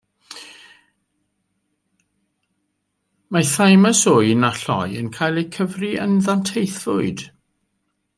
Mae thymws ŵyn a lloi yn cael eu cyfrif yn ddanteithfwyd.